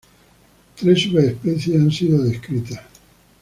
Tres subespecies han sido descritas.